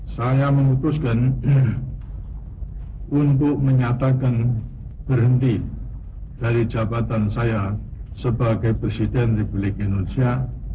saya memutuskan untuk menyatakan berhenti dari jabatan saya sebagai presiden republik indonesia